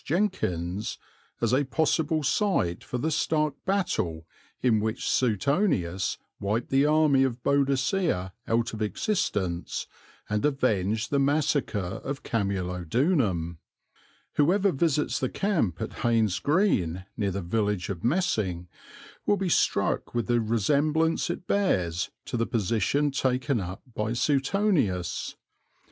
Jenkins, as a possible site for the stark battle in which Suetonius wiped the army of Boadicea out of existence and avenged the massacre of Camulodunum: "Whoever visits the camp at Haynes Green, near the village of Messing, will be struck with the resemblance it bears to the position taken up by Suetonius.